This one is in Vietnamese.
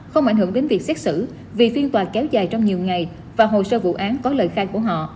không ảnh hưởng đến việc xét xử vì phiên tòa kéo dài trong nhiều ngày và hồ sơ vụ án có lời khai của họ